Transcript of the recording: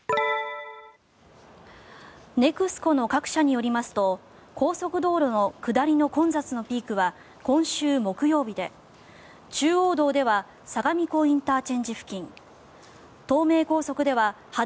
ネクスコの各社によりますと高速道路の下りの混雑のピークは今週木曜日で中央道では相模湖ＩＣ付近東名高速では秦野